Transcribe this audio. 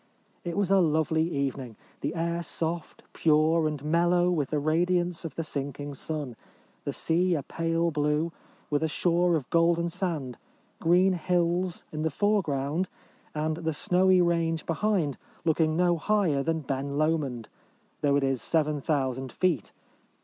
It was a lovely evening : the air soft, pure, and mel low with the radiance of the sinking sun ; the sea a pale blue, with a shore of golden sand ; green hills in the foreground, and the snowy range behind looking no higher than Ben Lomond, though it is 7000 feet.